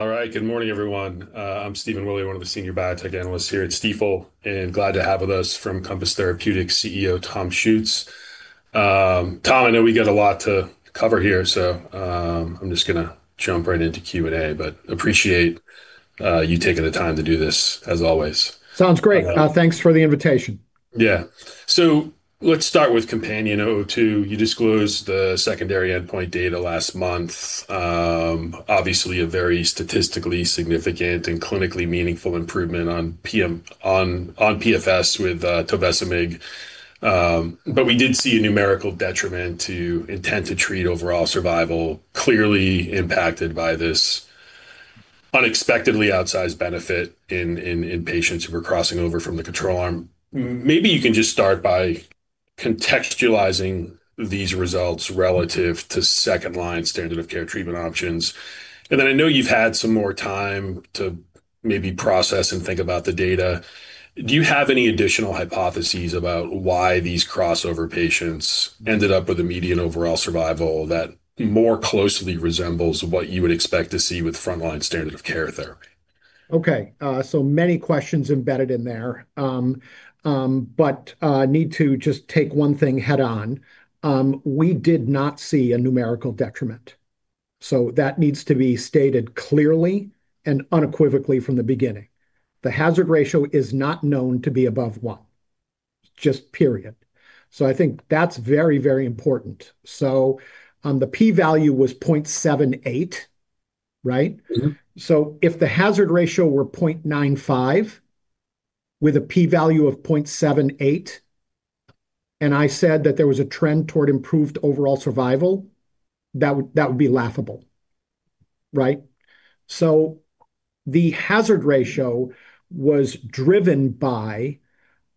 All right. Good morning, everyone. I'm Stephen Willey, one of the senior biotech analysts here at Stifel. Glad to have with us from Compass Therapeutics, CEO Tom Schuetz. Tom, I know we got a lot to cover here. I'm just going to jump right into Q&A. Appreciate you taking the time to do this, as always. Sounds great. Thanks for the invitation. Yeah. Let's start with COMPANION-002. You disclosed the secondary endpoint data last month. Obviously, a very statistically significant and clinically meaningful improvement on PFS with tovecimig. We did see a numerical detriment to intent-to-treat overall survival, clearly impacted by this unexpectedly outsized benefit in patients who were crossing over from the control arm. Maybe you can just start by contextualizing these results relative to second line standard of care treatment options. I know you've had some more time to maybe process and think about the data. Do you have any additional hypotheses about why these crossover patients ended up with a median overall survival that more closely resembles what you would expect to see with first line standard of care therapy? Okay. Many questions embedded in there, but need to just take one thing head-on. We did not see a numerical detriment. That needs to be stated clearly and unequivocally from the beginning. The hazard ratio is not known to be above one, just period. I think that's very important. The P value was 0.78, right? If the hazard ratio were 0.95 with a P value of 0.78, and I said that there was a trend toward improved overall survival, that would be laughable. Right? The hazard ratio was driven by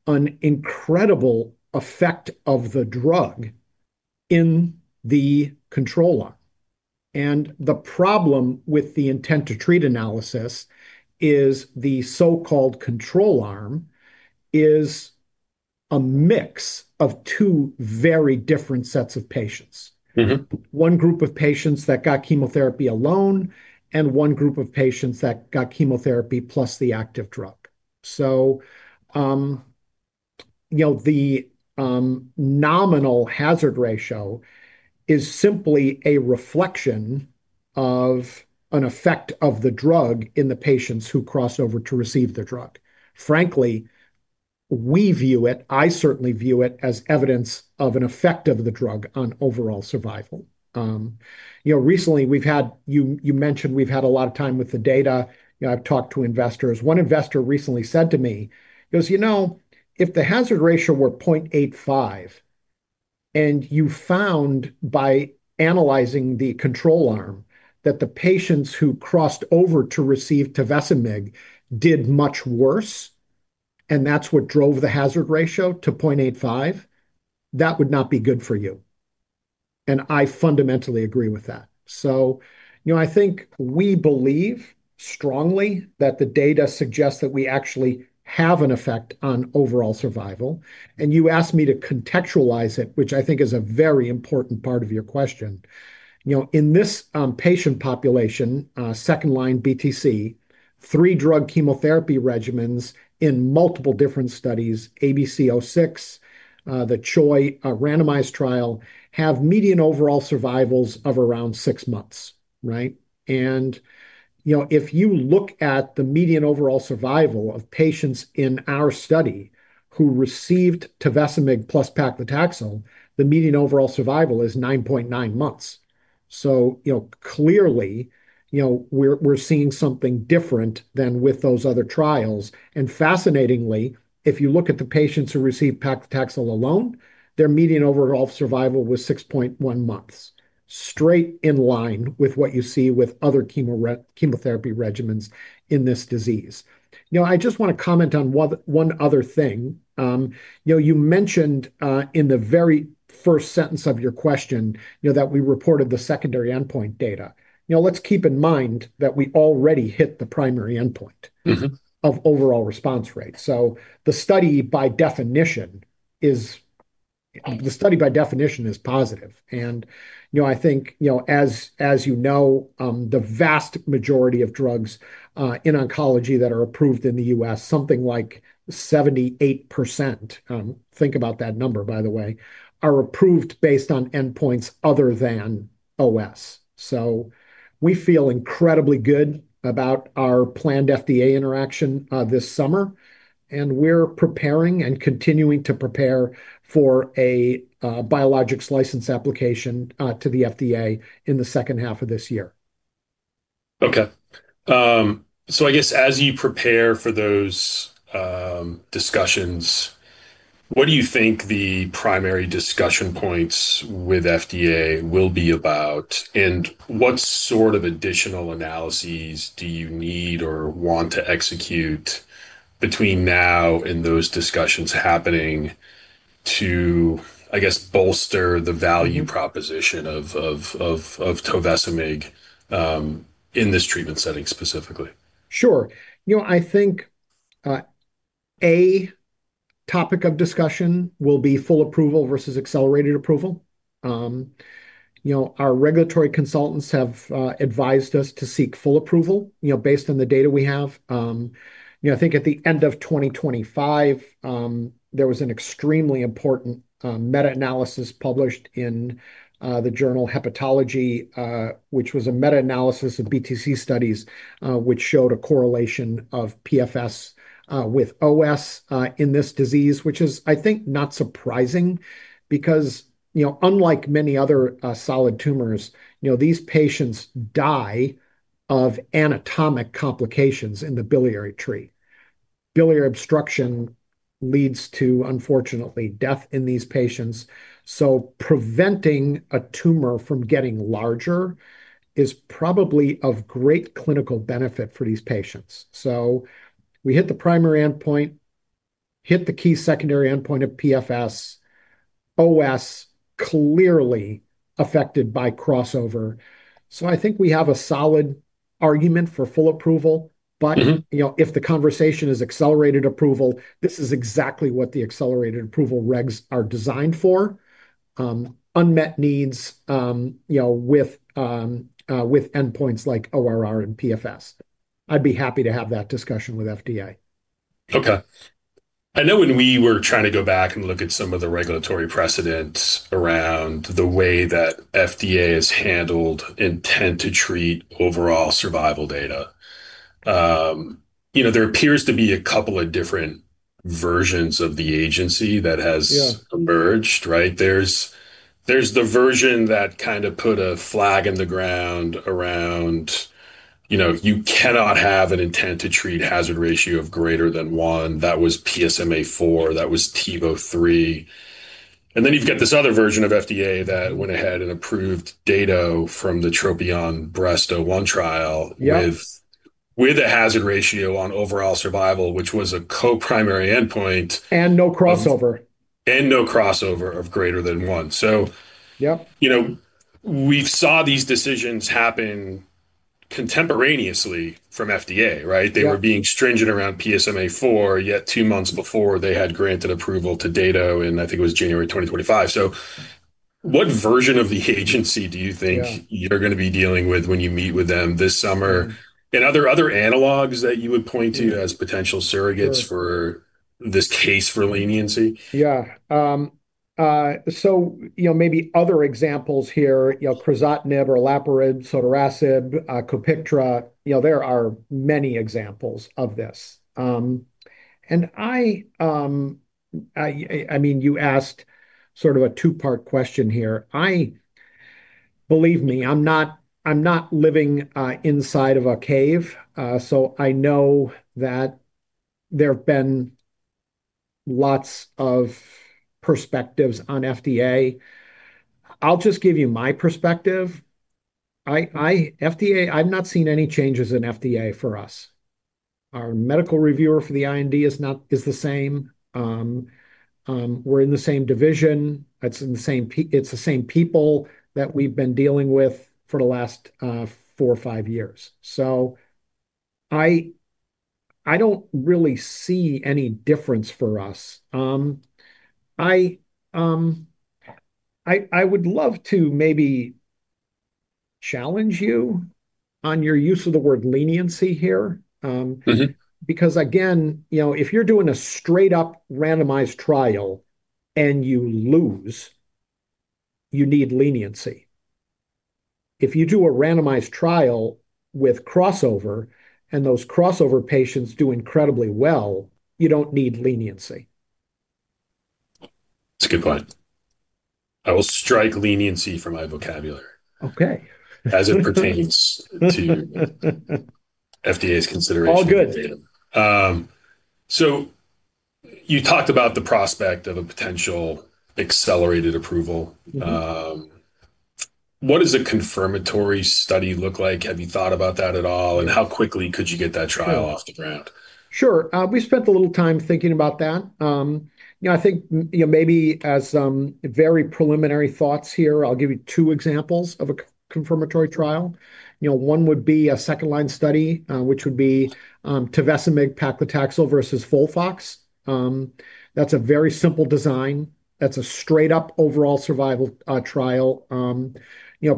an incredible effect of the drug in the control arm. The problem with the intent-to-treat analysis is the so-called control arm is a mix of two very different sets of patients. One group of patients that got chemotherapy alone, and one group of patients that got chemotherapy plus the active drug. The nominal hazard ratio is simply a reflection of an effect of the drug in the patients who cross over to receive the drug. Frankly, we view it, I certainly view it as evidence of an effect of the drug on overall survival. You mentioned we've had a lot of time with the data. I've talked to investors. One investor recently said to me, he goes, "If the hazard ratio were 0.85, and you found by analyzing the control arm that the patients who crossed over to receive tovecimig did much worse, and that's what drove the hazard ratio to 0.85, that would not be good for you." I fundamentally agree with that. I think we believe strongly that the data suggests that we actually have an effect on OS, and you asked me to contextualize it, which I think is a very important part of your question. In this patient population, second-line BTC, 3-drug chemotherapy regimens in multiple different studies, ABC06, the CHOI randomized trial, have median OS of around six months, right? If you look at the median OS of patients in our study who received tovecimig plus paclitaxel, the median OS is 9.9 months. Clearly, we're seeing something different than with those other trials. Fascinatingly, if you look at the patients who received paclitaxel alone, their median OS was 6.1 months, straight in line with what you see with other chemotherapy regimens in this disease. Now I just want to comment on one other thing. You mentioned in the very first sentence of your question that we reported the secondary endpoint data. Let's keep in mind that we already hit the primary endpoint. Of overall response rate. The study by definition is positive, and as you know, the vast majority of drugs in oncology that are approved in the U.S., something like 78%, think about that number, by the way, are approved based on endpoints other than OS. We feel incredibly good about our planned FDA interaction this summer, and we're preparing and continuing to prepare for a Biologics License Application to the FDA in the second half of this year. Okay. As you prepare for those discussions, what do you think the primary discussion points with FDA will be about? What sort of additional analyses do you need or want to execute between now and those discussions happening to, I guess, bolster the value proposition of tovecimig in this treatment setting specifically? Sure. A topic of discussion will be full approval versus Accelerated Approval. Our regulatory consultants have advised us to seek full approval, based on the data we have. At the end of 2025, there was an extremely important meta-analysis published in the journal Hepatology, which was a meta-analysis of BTC studies, which showed a correlation of PFS with OS in this disease. Which is not surprising because, unlike many other solid tumors, these patients die of anatomic complications in the biliary tree. Biliary obstruction leads to, unfortunately, death in these patients. Preventing a tumor from getting larger is probably of great clinical benefit for these patients. We hit the primary endpoint, hit the key secondary endpoint of PFS, OS clearly affected by crossover. We have a solid argument for full approval. If the conversation is Accelerated Approval, this is exactly what the Accelerated Approval regs are designed for. Unmet needs with endpoints like ORR and PFS. I'd be happy to have that discussion with FDA. Okay. I know when we were trying to go back and look at some of the regulatory precedents around the way that FDA has handled intent to treat overall survival data. There appears to be a couple of different versions of the agency. Yeah Emerged, right? There's the version that kind of put a flag in the ground around, you cannot have an intent-to-treat hazard ratio of greater than one. That was PSMAfore, that was TIVO-3. You've got this other version of FDA that went ahead and approved data from the TROPION-Breast01 trial. Yep With a hazard ratio on overall survival, which was a co-primary endpoint. No crossover. No crossover of greater than one. Yep We've saw these decisions happen contemporaneously from FDA, right? Yeah. They were being stringent around PSMAfore, yet two months before, they had granted approval to Dato in, I think it was January 2025. What version of the Agency do you think? Yeah You're going to be dealing with when you meet with them this summer? Are there other analogs that you would point to as potential surrogates for this case for leniency? Yeah. Maybe other examples here, crizotinib or olaparib, sotorasib, COPIKTRA. There are many examples of this. You asked sort of a two-part question here. Believe me, I'm not living inside of a cave. I know that there have been lots of perspectives on FDA. I'll just give you my perspective. I've not seen any changes in FDA for us. Our medical reviewer for the IND is the same. We're in the same division. It's the same people that we've been dealing with for the last four or five years. I don't really see any difference for us. I would love to maybe challenge you on your use of the word leniency here. Again, if you're doing a straight-up randomized trial and you lose, you need leniency. If you do a randomized trial with crossover, and those crossover patients do incredibly well, you don't need leniency. It's a good point. I will strike leniency from my vocabulary. Okay As it pertains to FDA's consideration. All good. You talked about the prospect of a potential Accelerated Approval. What does a confirmatory study look like? Have you thought about that at all? How quickly could you get that trial off the ground? Sure. We spent a little time thinking about that. I think, maybe as some very preliminary thoughts here, I'll give you two examples of a confirmatory trial. One would be a second-line study, which would be tovecimig paclitaxel versus FOLFOX. That's a very simple design. That's a straight-up overall survival trial.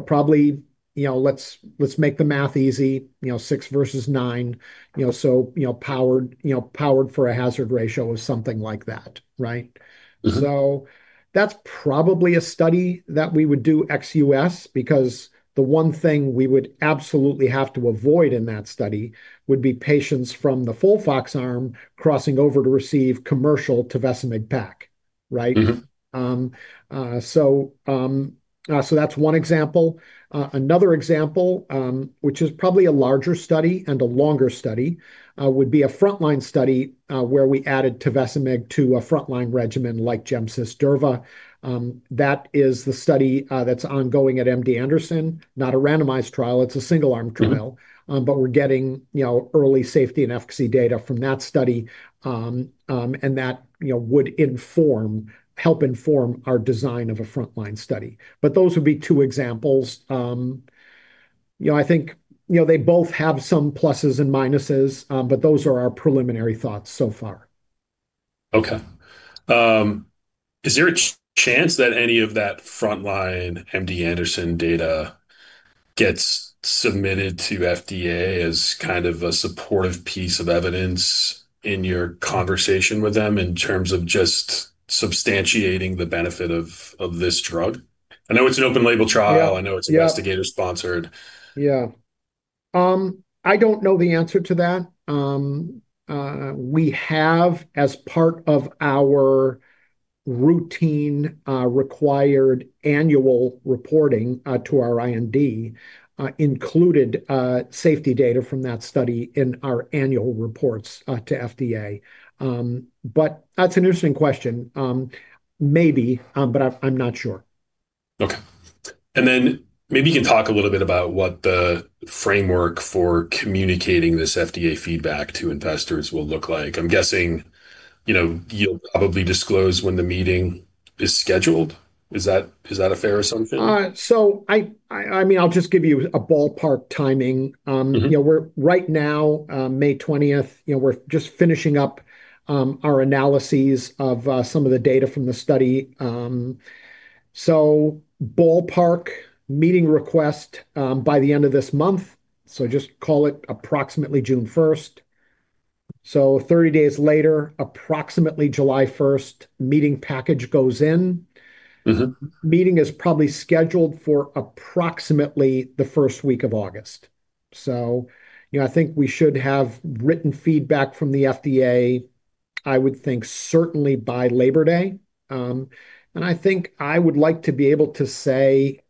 Probably, let's make the math easy, six versus nine. Powered for a hazard ratio of something like that, right? That's probably a study that we would do ex U.S., because the one thing we would absolutely have to avoid in that study would be patients from the FOLFOX arm crossing over to receive commercial tovecimig pac, right? That's one example. Another example, which is probably a larger study and a longer study, would be a frontline study where we added tovecimig to a frontline regimen like Gem/Cis/Durva. That is the study that's ongoing at MD Anderson. Not a randomized trial, it's a single-arm trial. We're getting early safety and efficacy data from that study, and that would help inform our design of a frontline study. Those would be two examples. I think they both have some pluses and minuses, but those are our preliminary thoughts so far. Okay. Is there a chance that any of that frontline MD Anderson data gets submitted to FDA as a supportive piece of evidence in your conversation with them in terms of just substantiating the benefit of this drug? I know it's an open label trial. Yeah. I know it's investigator-sponsored. Yeah. I don't know the answer to that. We have, as part of our routine, required annual reporting to our IND, included safety data from that study in our annual reports to FDA. That's an interesting question. Maybe, but I'm not sure. Okay. Maybe you can talk a little bit about what the framework for communicating this FDA feedback to investors will look like. I'm guessing you'll probably disclose when the meeting is scheduled. Is that a fair assumption? I'll just give you a ballpark timing. Right now, May 20th, we're just finishing up our analyses of some of the data from the study. Ballpark meeting request by the end of this month, so just call it approximately June 1st. 30 days later, approximately July 1st, meeting package goes in. Meeting is probably scheduled for approximately the first week of August. I think we should have written feedback from the FDA, I would think certainly by Labor Day. I think I would like to be able to say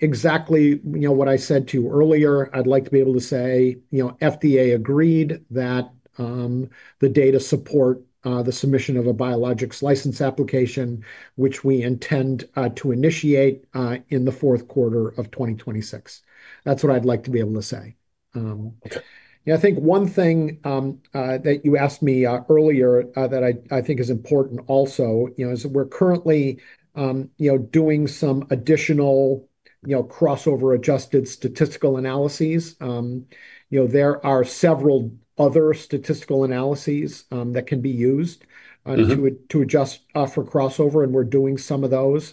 exactly what I said to you earlier. I'd like to be able to say, FDA agreed that the data support the submission of a Biologics License Application, which we intend to initiate in the fourth quarter of 2026. That's what I'd like to be able to say. Okay. I think one thing that you asked me earlier that I think is important also is that we're currently doing some additional crossover adjusted statistical analyses. There are several other statistical analyses that can be used. to adjust for crossover, and we're doing some of those.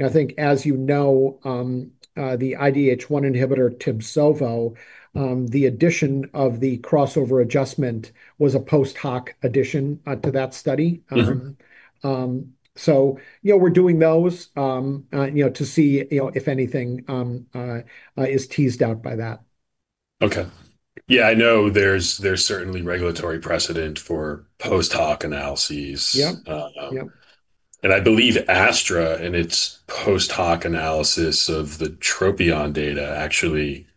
I think as you know, the IDH1 inhibitor, TIBSOVO, the addition of the crossover adjustment was a post hoc addition to that study. We're doing those to see if anything is teased out by that. Okay. Yeah, I know there's certainly regulatory precedent for post hoc analyses. Yep. I believe AstraZeneca, in its post hoc analysis of the TROPION data, actually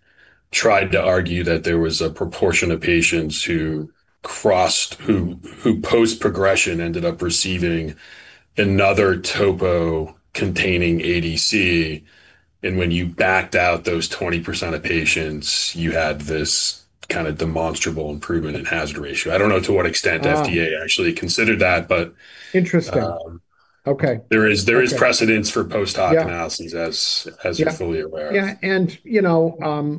tried to argue that there was a proportion of patients who post-progression ended up receiving another topo containing ADC. When you backed out those 20% of patients, you had this demonstrable improvement in hazard ratio. I don't know to what extent FDA. Actually considered that. Interesting. Okay There is precedence for post hoc analyses. Yeah As you're fully aware of. Yeah,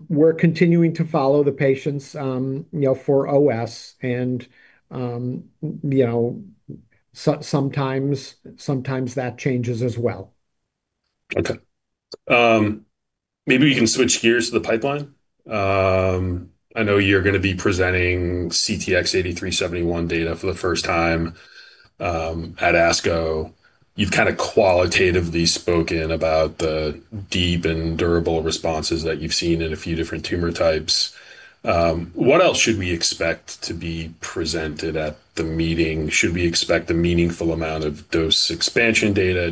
we're continuing to follow the patients for OS, and sometimes that changes as well. Maybe we can switch gears to the pipeline. I know you're going to be presenting CTX-8371 data for the first time at ASCO. You've qualitatively spoken about the deep and durable responses that you've seen in a few different tumor types. What else should we expect to be presented at the meeting? Should we expect a meaningful amount of dose expansion data?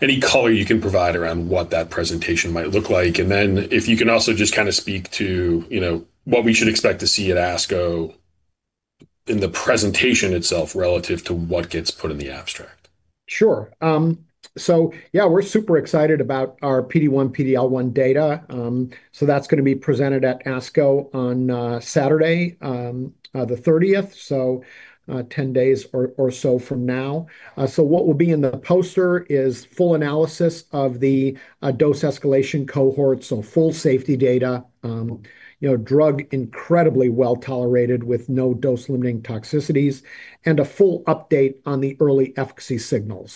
Any color you can provide around what that presentation might look like, and then if you can also just speak to what we should expect to see at ASCO in the presentation itself relative to what gets put in the abstract. Sure. Yeah, we're super excited about our PD-1/PD-L1 data. That's going to be presented at ASCO on Saturday the 30th, 10 days or so from now. What will be in the poster is full analysis of the dose escalation cohort, full safety data. Drug incredibly well-tolerated with no dose-limiting toxicities and a full update on the early efficacy signals.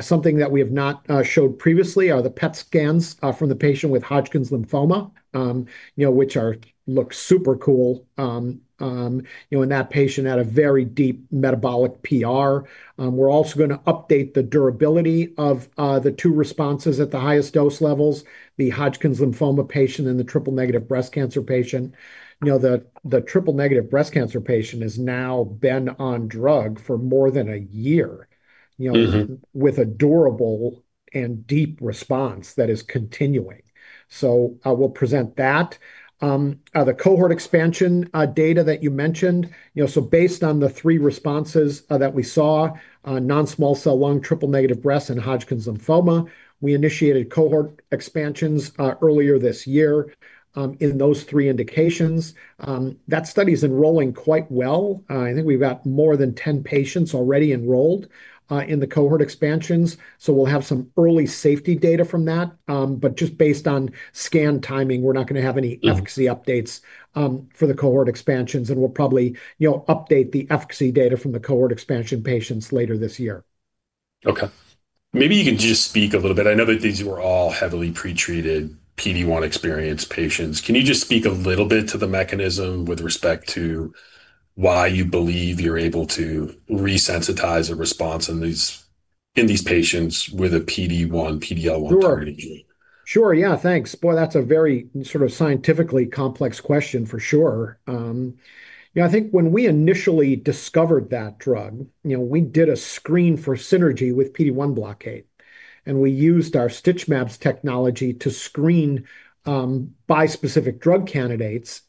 Something that we have not showed previously are the PET scans from the patient with Hodgkin's lymphoma, which look super cool in that patient at a very deep metabolic PR. We're also going to update the durability of the two responses at the highest dose levels, the Hodgkin's lymphoma patient and the triple-negative breast cancer patient. The triple-negative breast cancer patient has now been on drug for more than a year. With a durable and deep response that is continuing. We'll present that. The cohort expansion data that you mentioned. Based on the three responses that we saw, non-small cell lung, triple-negative breast, and Hodgkin's lymphoma, we initiated cohort expansions earlier this year in those three indications. That study's enrolling quite well. I think we've got more than 10 patients already enrolled in the cohort expansions, so we'll have some early safety data from that. Just based on scan timing, we're not going to have any efficacy updates for the cohort expansions, and we'll probably update the efficacy data from the cohort expansion patients later this year. Okay. Maybe you can just speak a little bit. I know that these were all heavily pre-treated PD-1 experience patients. Can you just speak a little bit to the mechanism with respect to why you believe you're able to resensitize a response in these patients with a PD-1, PD-L1 drug? Sure. Yeah, thanks. Boy, that's a very scientifically complex question for sure. I think when we initially discovered that drug, we did a screen for synergy with PD-1 blockade, and we used our StitchMabs technology to screen bispecific drug candidates.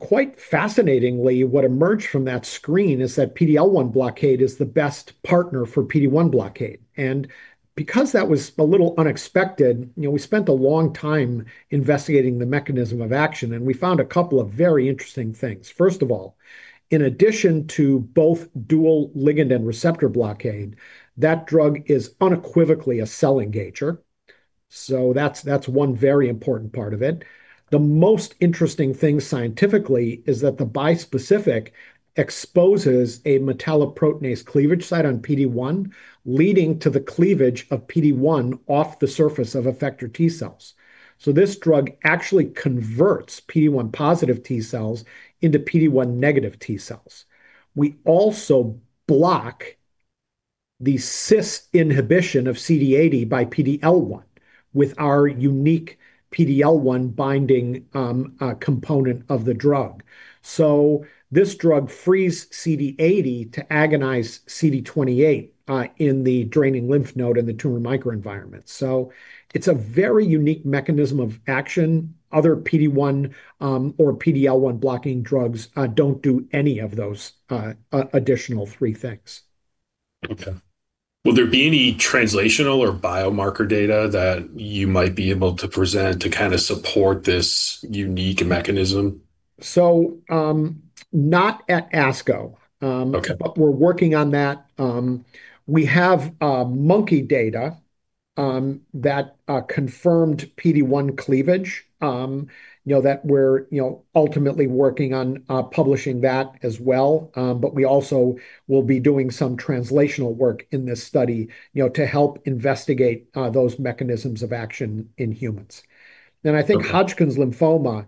Quite fascinatingly, what emerged from that screen is that PD-L1 blockade is the best partner for PD-1 blockade. Because that was a little unexpected, we spent a long time investigating the mechanism of action, and we found a couple of very interesting things. First of all, in addition to both dual ligand and receptor blockade, that drug is unequivocally a cell engager. That's one very important part of it. The most interesting thing scientifically is that the bispecific exposes a metalloproteinase cleavage site on PD-1, leading to the cleavage of PD-1 off the surface of effector T cells. This drug actually converts PD-1 positive T cells into PD-1 negative T cells. We also block the cis inhibition of CD80 by PD-L1 with our unique PD-L1 binding component of the drug. This drug frees CD80 to agonize CD28 in the draining lymph node in the tumor microenvironment. It's a very unique mechanism of action. Other PD-1 or PD-L1 blocking drugs don't do any of those additional three things. Okay. Will there be any translational or biomarker data that you might be able to present to support this unique mechanism? Not at ASCO. Okay. We're working on that. We have monkey data that confirmed PD-1 cleavage that we're ultimately working on publishing that as well. We also will be doing some translational work in this study to help investigate those mechanisms of action in humans. I think Hodgkin's lymphoma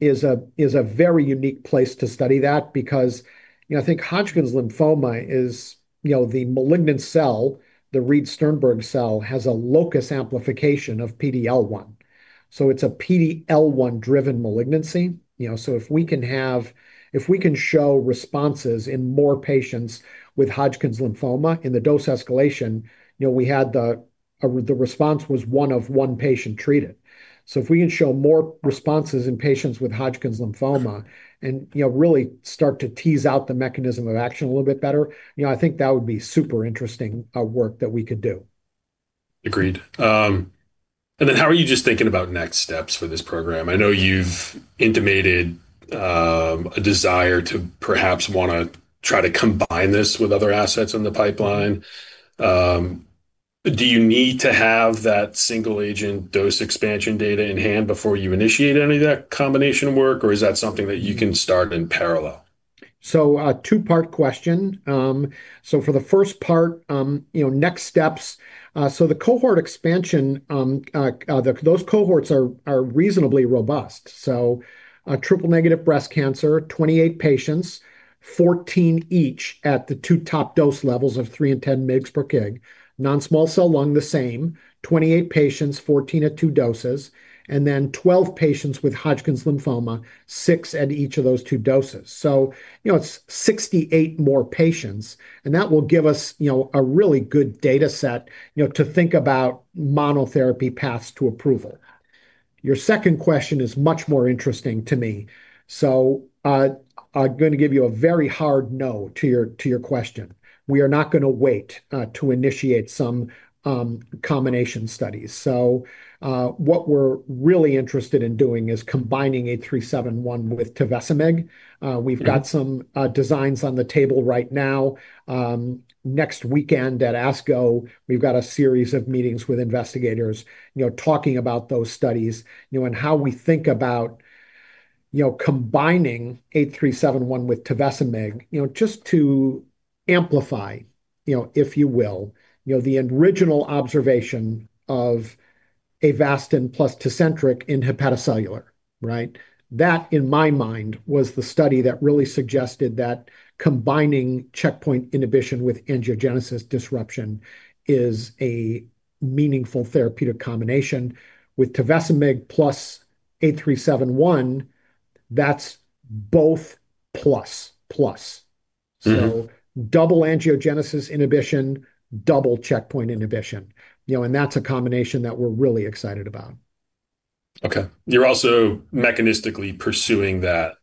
is a very unique place to study that because I think Hodgkin's lymphoma is the malignant cell. The Reed-Sternberg cell has a locus amplification of PD-L1. It's a PD-L1-driven malignancy. If we can show responses in more patients with Hodgkin's lymphoma in the dose escalation, the response was one of one patient treated. If we can show more responses in patients with Hodgkin's lymphoma and really start to tease out the mechanism of action a little bit better, I think that would be super interesting work that we could do. Agreed. How are you just thinking about next steps for this program? I know you've intimated a desire to perhaps want to try to combine this with other assets in the pipeline. Do you need to have that single agent dose expansion data in hand before you initiate any of that combination work, or is that something that you can start in parallel? Two-part question. For the first part, next steps. The cohort expansion, those cohorts are reasonably robust. Triple-negative breast cancer, 28 patients, 14 each at the two top dose levels of three and 10 mg/kg. Non-small cell lung, the same, 28 patients, 14 at two doses. 12 patients with Hodgkin's lymphoma, six at each of those two doses. It's 68 more patients, and that will give us a really good data set to think about monotherapy paths to approval. Your second question is much more interesting to me. I'm going to give you a very hard no to your question. We are not going to wait to initiate some combination studies. What we're really interested in doing is combining CTX-471 with tovecimig. We've got some designs on the table right now. Next weekend at ASCO, we've got a series of meetings with investigators talking about those studies and how we think about combining CTX-471 with tovecimig, just to amplify, if you will, the original observation of Avastin plus TECENTRIQ in hepatocellular. That, in my mind, was the study that really suggested that combining checkpoint inhibition with angiogenesis disruption is a meaningful therapeutic combination. With tovecimig plus CTX-471, that's both plus. Double angiogenesis inhibition, double checkpoint inhibition, and that's a combination that we're really excited about. You're also mechanistically pursuing that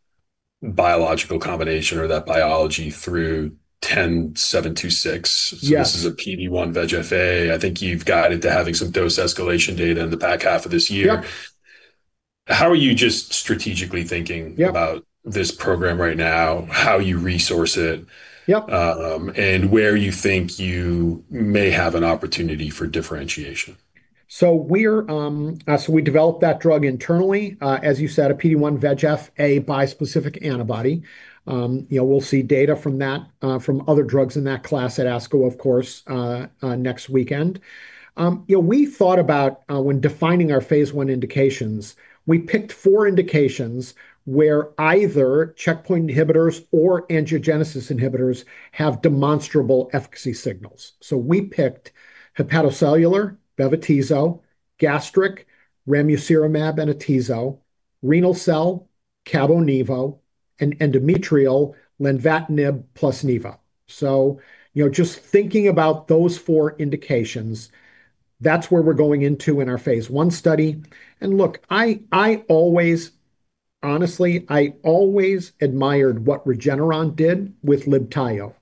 biological combination or that biology through CTX-10726. Yes. This is a PD-1 VEGF-A. I think you've guided to having some dose escalation data in the back half of this year. Yep How are you just strategically thinking. Yeah About this program right now, how you resource it Yep Where you think you may have an opportunity for differentiation? We developed that drug internally, as you said, a PD-1 VEGF, a bispecific antibody. We'll see data from other drugs in that class at ASCO, of course, next weekend. We thought about when defining our phase I indications, we picked four indications where either checkpoint inhibitors or angiogenesis inhibitors have demonstrable efficacy signals. We picked hepatocellular, bevacizumab, gastric, ramucirumab and atezo, renal cell, cabo/nivo, and endometrial, lenvatinib plus nivo. Just thinking about those four indications, that's where we're going into in our phase I study. Look, honestly, I always admired what Regeneron did with LIBTAYO.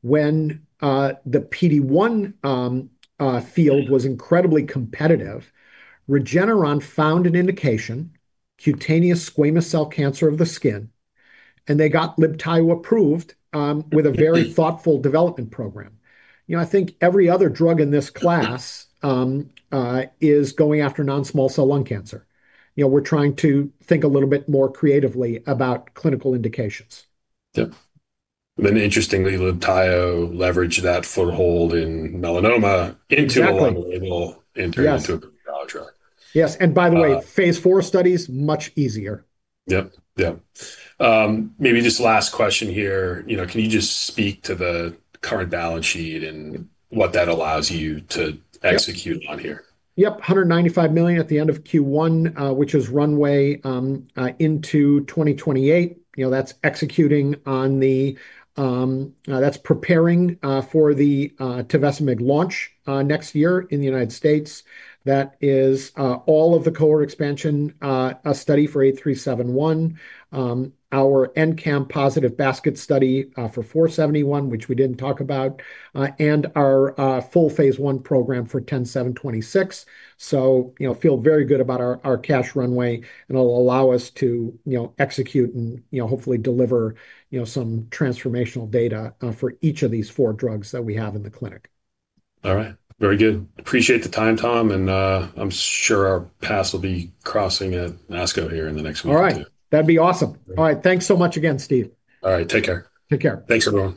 When the PD-1 field was incredibly competitive, Regeneron found an indication, cutaneous squamous cell cancer of the skin, and they got LIBTAYO approved with a very thoughtful development program. I think every other drug in this class is going after non-small cell lung cancer. We're trying to think a little bit more creatively about clinical indications. Yep. Interestingly, LIBTAYO leveraged that foothold in melanoma into a label- Exactly turned into a big oncology. Yes. By the way, phase IV study is much easier. Yep. Maybe just last question here. Can you just speak to the current balance sheet and what that allows you to execute on here? Yep. $195 million at the end of Q1, which is runway into 2028. That's preparing for the tovecimig launch next year in the U.S. That is all of the cohort expansion study for A371, our NCAM-positive basket study for CTX-471, which we didn't talk about, and our full phase I program for CTX-10726. Feel very good about our cash runway, and it'll allow us to execute and hopefully deliver some transformational data for each of these four drugs that we have in the clinic. All right. Very good. Appreciate the time, Tom, and I'm sure our paths will be crossing at ASCO here in the next week or two. All right. That'd be awesome. Great. All right. Thanks so much again, Steve. All right. Take care. Take care. Thanks, everyone.